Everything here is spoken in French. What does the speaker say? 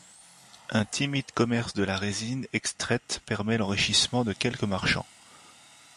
Un timide commerce de la résine extraite permet l'enrichissement de quelques marchands.